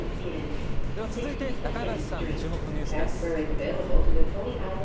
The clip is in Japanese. では続いて中林さん注目のニュースです。